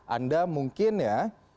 anda mungkin ya